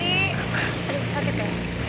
aduh sakit ya